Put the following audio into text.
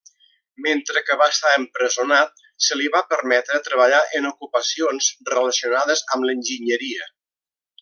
Mentre que va estar empresonat, se li va permetre treballar en ocupacions relacionades amb l'enginyeria.